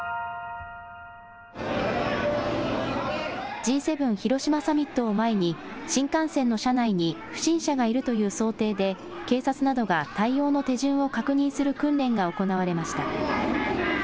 Ｇ７広島サミットを前に新幹線の車内に不審者がいるという想定で警察などが対応の手順を確認する訓練が行われました。